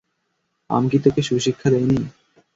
আমি কি তোকে সুশিক্ষা দেইনি?